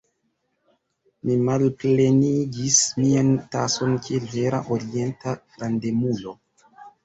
Mi malplenigis mian tason kiel vera Orienta frandemulo.